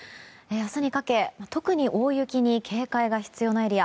明日にかけ特に大雪に警戒が必要なエリア